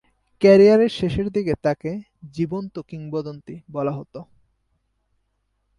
ক্যারিয়ারের শেষের দিকে তাকে "জীবন্ত কিংবদন্তি" বলা হতো।